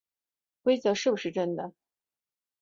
规则是不是真的